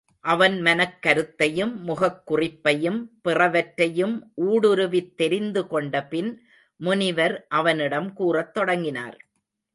அவன் மனக் கருத்தையும் முகக் குறிப்பையும் பிறவற்றையும் ஊடுருவித் தெரிந்து கொண்ட பின் முனிவர் அவனிடம் கூறத் தொடங்கினார்.